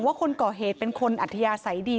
คนก่อเหตุเป็นคนอัธยาศัยดี